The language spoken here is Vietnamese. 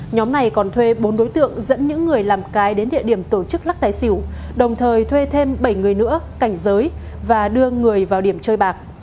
nhóm này còn thuê bốn đối tượng dẫn những người làm cái đến địa điểm tổ chức lắc tài xỉu đồng thời thuê thêm bảy người nữa cảnh giới và đưa người vào điểm chơi bạc